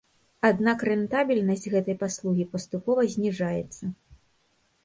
Аднак рэнтабельнасць гэтай паслугі паступова зніжаецца.